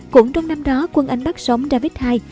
cũng trong năm đó quân anh bắt sống david ii